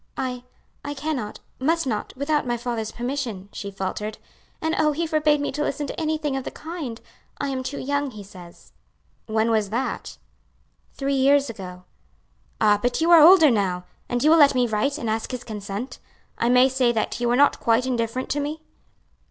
"I I cannot, must not, without my father's permission," she faltered, "and oh! he forbade me to listen to anything of the kind. I am too young he says." "When was that?" "Three years ago." "Ah! but you are older now; and you will let me write and ask his consent? I may say that you are not quite indifferent to me?"